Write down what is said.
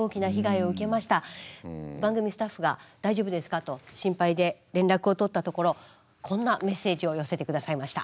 番組スタッフが大丈夫ですかと心配で連絡を取ったところこんなメッセージを寄せて下さいました。